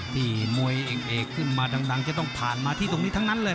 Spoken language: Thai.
ที่มวยเอกขึ้นมาดังจะต้องผ่านมาที่ตรงนี้ทั้งนั้นเลย